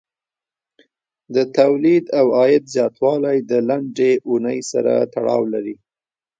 د تولید او عاید زیاتوالی د لنډې اونۍ سره تړاو لري.